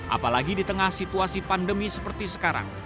apalagi di tengah situasi pandemi seperti sekarang